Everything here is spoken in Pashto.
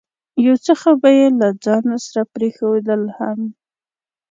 یو څه خو به یې له ځانه سره پرېښودل هم.